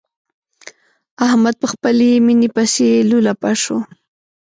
احمد په خپلې ميينې پسې لولپه شو.